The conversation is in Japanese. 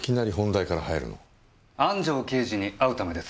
安城刑事に会うためです。